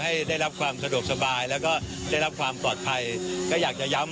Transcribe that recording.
ให้ได้รับความสะดวกสบายแล้วก็ได้รับความปลอดภัย